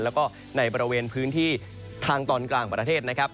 แล้วก็ในบริเวณพื้นที่ทางตอนกลางประเทศนะครับ